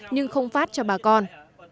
nhưng không phát cho bà con